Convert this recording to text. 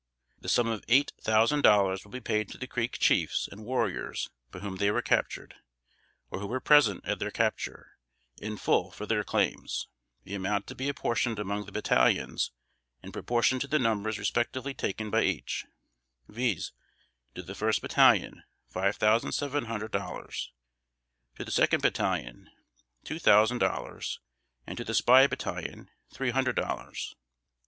The sum of eight thousand dollars will be paid to the Creek chiefs and warriors by whom they were captured, or who were present at their capture, in full for their claims; the amount to be apportioned among the battalions in proportion to the numbers respectively taken by each, viz: To the first battalion, five thousand seven hundred dollars; to the second battalion, two thousand dollars; and to the spy battalion, three hundred dollars.